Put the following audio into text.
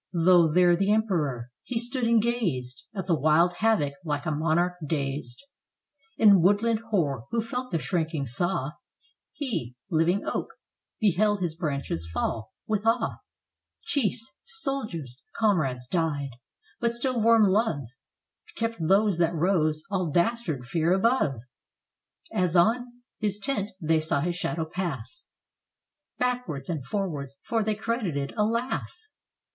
Though there the Emperor! he stood and gazed At the wild havoc, like a monarch dazed In woodland hoar, who felt the shrieking saw — He, living oak, beheld his branches fall, with awe. Chiefs, soldiers, comrades died. But still warm love Kept those that rose all dastard fear above, As on his tent they saw his shadow pass — 351 FRANCE Backwards and forwards, for they credited, alas!